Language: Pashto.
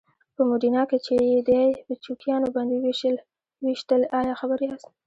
په موډینا کې چې یې دی په چوکیانو باندې وويشتل ایا خبر یاست؟